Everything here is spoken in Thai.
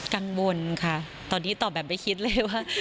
กังวลค่ะตอนนี้ตอบแบบไม่คิดเลยว่า